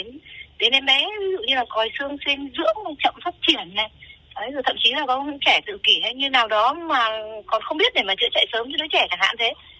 em bé ví dụ như là còi xương sinh dưỡng chậm phát triển này thậm chí là có những trẻ tự kỷ hay như nào đó mà còn không biết để mà chữa chạy sớm như đứa trẻ thẳng hạn thế